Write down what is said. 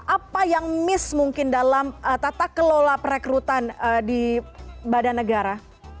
apa yang miss mungkin dalam tata kelola perekrutan di badan negara